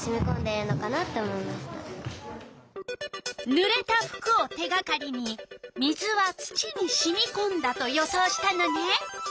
ぬれた服を手がかりに「水は土にしみこんだ」と予想したのね。